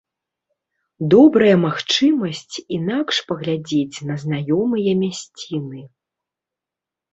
Добрая магчымасць інакш паглядзець на знаёмыя мясціны.